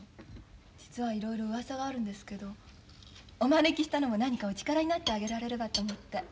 実はいろいろうわさがあるんですけどお招きしたのも何かお力になってあげられればと思って。